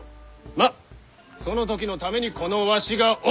まっその時のためにこのわしがおる！